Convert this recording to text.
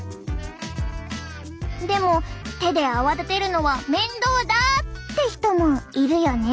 でも手で泡立てるのは面倒だって人もいるよね。